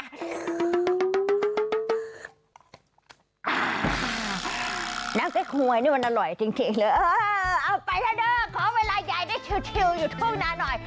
น้ำไก่ควยนี่มันอร่อยจริงเอาไปเถอะเดี๋ยวขอเวลาใยได้ชิวอยู่ทุกนานหน่อย